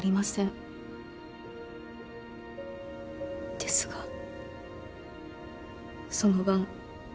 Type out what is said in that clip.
ですがその晩。